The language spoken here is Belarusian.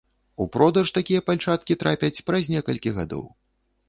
У продаж такія пальчаткі трапяць праз некалькі гадоў.